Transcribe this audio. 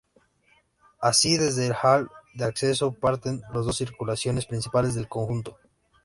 Así, desde el hall de acceso parten las dos circulaciones principales del conjunto.